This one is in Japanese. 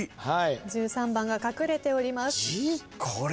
１３番が隠れております。